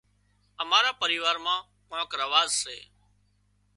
امار پريوار مان ڪانڪ رواز سي